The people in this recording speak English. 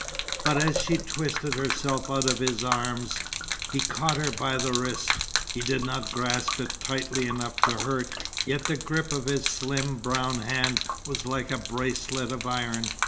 But as she twisted herself out of his arms, he caught her by the wrist. He did not grasp it tightly enough to hurt, yet the grip of his slim brown hand was like a bracelet of iron.